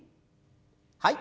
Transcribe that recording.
はい。